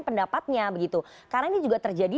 pendapatnya begitu karena ini juga terjadi